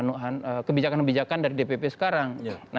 dan kemudian juga kebijakan kebijakan dari dpp sekarang